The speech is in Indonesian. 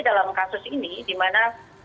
dalam kasus ini dimana